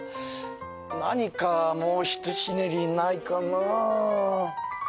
何かもう一ひねりないかなあ。